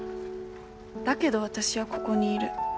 だけど私はここにいる